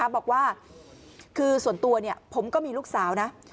บอกว่าคือส่วนตัวผมก็มีลูกสาวนะ